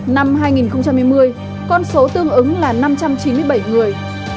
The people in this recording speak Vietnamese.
năm hai nghìn hai mươi con số tương ứng là năm trăm chín mươi bảy người